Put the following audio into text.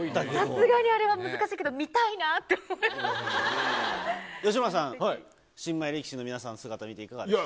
さすがにあれは難しいけど、吉村さん、新米力士の皆さん、姿見ていかがでした？